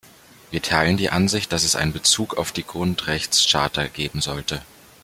Wir teilen die Ansicht, dass es einen Bezug auf die Grundsrechtscharta geben sollte.